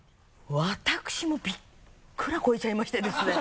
私もびっくらこいちゃいましてですね。